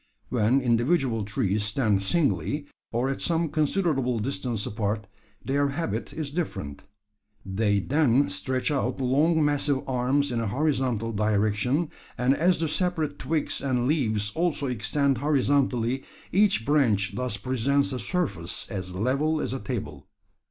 When individual trees stand singly, or at some considerable distance apart, their habit is different. They then stretch out long massive arms in a horizontal direction; and as the separate twigs and leaves also extend horizontally, each branch thus presents a surface as level as a table.